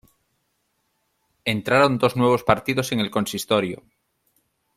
Entraron dos nuevos partidos en el consistorio.